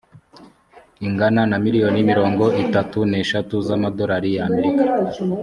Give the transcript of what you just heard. ingana na miliyoni mirongo itatu neshatu za amadorari y’amerika.